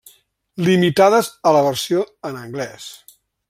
Limitades a la versió en anglès.